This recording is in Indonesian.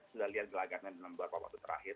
sudah lihat gelagatnya dalam beberapa waktu terakhir